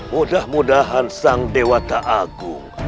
mudah mudahan sang dewata agung